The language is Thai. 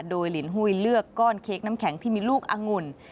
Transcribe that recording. โดยลินหุ้ยเลือกก้อนเค้กน้ำแข็งที่มีลูกอังุ่น